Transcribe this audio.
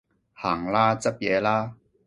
行啦，執嘢啦